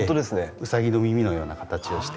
ウサギの耳のような形をして。